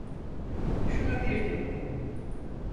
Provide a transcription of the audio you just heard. Şunu bir dinle.